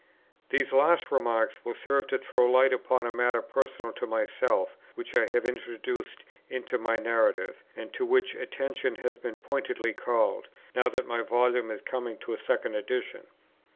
These last remarks will serve to throw light upon a matter personal to myself, which I have introduced into my Narrative, and to which my attention has been pointedly called, now that my Volume is coming to a second edition.